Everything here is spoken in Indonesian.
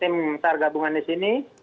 tim sar gabungan di sini